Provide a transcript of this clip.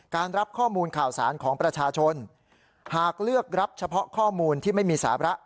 รับข้อมูลข่าวสารของประชาชนหากเลือกรับเฉพาะข้อมูลที่ไม่มีสาระ